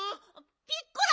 ピッコラ！